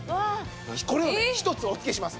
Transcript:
これをね１つお付けします。